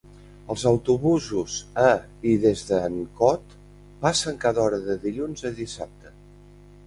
Els autobusos a i des d'Arncott passen cada hora de dilluns a dissabte.